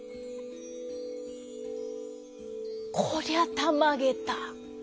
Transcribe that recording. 「こりゃたまげた！